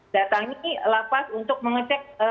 datang ke lapas untuk mengecek